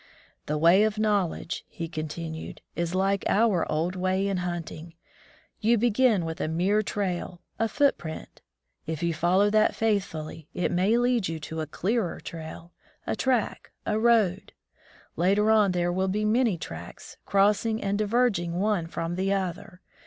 The way of knowledge/* he continued, is like our old way in hunting. You begin with a mere trail — a footprint. If you follow that faithfully, it may lead you to a clearer trail — a track — a road. Later on there will be many tracks, crossing and diverging one from the other.